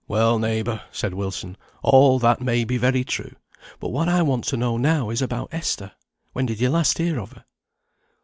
"Well, neighbour," said Wilson, "all that may be very true, but what I want to know now is about Esther when did you last hear of her?"